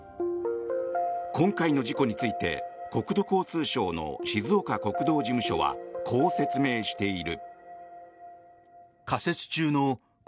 今回の事故について国土交通省の静岡国道事務所はこう説明している。